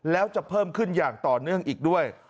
แล้วจะเพิ่มขึ้นอย่างต่อเนื่องอีกด้วย